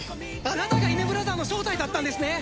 あなたがイヌブラザーの正体だったんですね！